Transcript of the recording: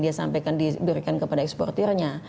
dia sampaikan diberikan kepada eksportirnya